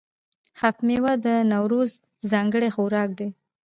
هفت میوه د نوروز ځانګړی خوراک دی.